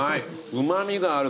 うま味があるから。